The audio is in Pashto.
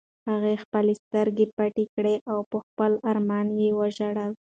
هغې خپلې سترګې پټې کړې او په خپل ارمان یې وژړل.